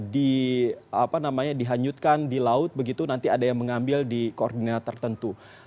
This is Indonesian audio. di apa namanya dihanyutkan di laut begitu nanti ada yang mengambil di koordinat tertentu